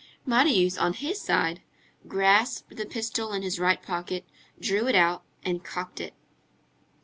Marius, on his side, grasped the pistol in his right pocket, drew it out and cocked it.